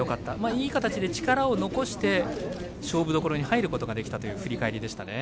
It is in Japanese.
いい形で力を残して、勝負どころに入ることができたという振り返りでしたね。